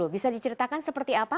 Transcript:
bisa diceritakan seperti apa